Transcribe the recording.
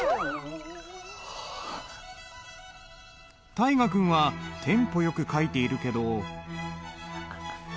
大河君はテンポよく書いているけど。